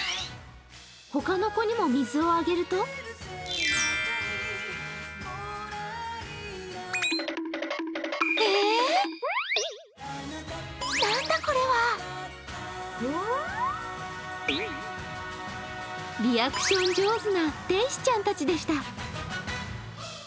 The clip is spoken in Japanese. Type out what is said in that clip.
他の子にも水をあげるとリアクション上手な天使ちゃんたちでした。